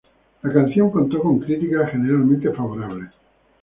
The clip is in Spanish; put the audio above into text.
La canción contó con críticas generalmente favorables.